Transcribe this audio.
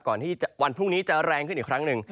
ที่วันพรุ่งนี้จะแรงขึ้นอีกครั้งหนึ่ง